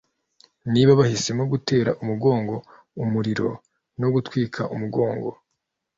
niba bahisemo gutera umugongo umuriro no gutwika umugongo,